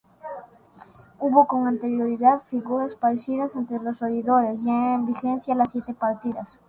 Hubo con anterioridad figuras parecidas entre los oidores ya en vigencia las Siete Partidas.